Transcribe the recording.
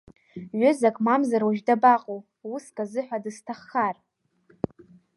Ҩызак мамзар уажә дабаҟоу, уск азыҳәа дысҭаххар?